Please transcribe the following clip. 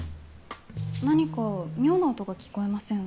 何か妙な音が聞こえません？